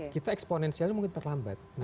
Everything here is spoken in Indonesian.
kita eksponensialnya mungkin terlambat